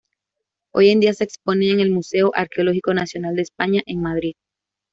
Hoy en día se exponen en el Museo Arqueológico Nacional de España, en Madrid.